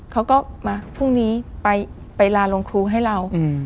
เขาก็มาพรุ่งนี้ไปลาโรงครูให้เรา